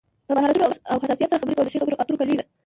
پر مهارتونو او حساسیت سره خبرې کول د ښې خبرې اترو کلي ده.